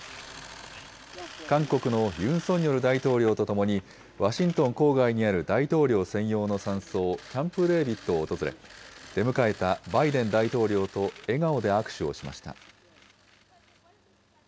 韓国のユン・ソンニョル大統領とともに、ワシントン郊外にある大統領専用の山荘、キャンプ・デービッドを訪れ、出迎えたバイデン大統領と笑顔で握手をしました。